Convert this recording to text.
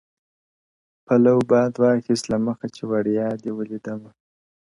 پلو باد واخیست له مخه چي وړیا دي ولیدمه.!